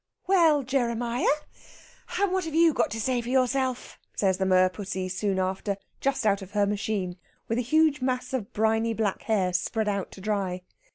"Well, Jeremiah, and what have you got to say for yourself?" said the merpussy soon after, just out of her machine, with a huge mass of briny black hair spread out to dry.